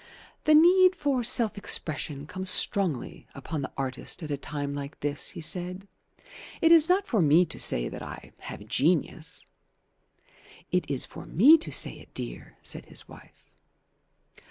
"The need for self expression comes strongly upon the artist at a time like this," he said. "It is not for me to say that I have genius " "It is for me to say it, dear," said his wife.